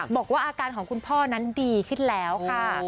บอกว่าอาการของคุณพ่อนั้นดีขึ้นแล้วค่ะ